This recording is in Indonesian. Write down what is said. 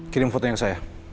kirim foto yang saya